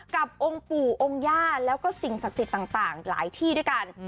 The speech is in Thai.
กับองค์ปู่องค์ย่าแล้วก็สิ่งศักดิ์สิทธิ์ต่างหลายที่ด้วยกัน